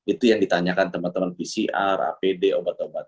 itu yang ditanyakan teman teman pcr apd obat obat